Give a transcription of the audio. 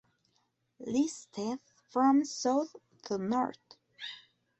Listed from south to north.